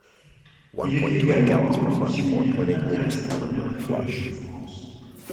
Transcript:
Il était également membre du Séminaire interdisciplinaire du Collège de France.